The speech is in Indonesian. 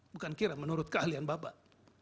bukan kira menurut keahlian bapak